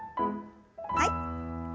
はい。